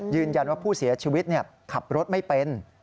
ยืนยันว่าผู้เสียชีวิตขับรถไม่เป็น